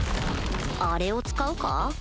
あれを使うか？